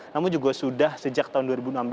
namun juga sudah sejak tahun dua ribu enam belas